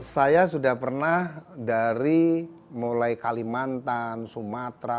saya sudah pernah dari mulai kalimantan sumatera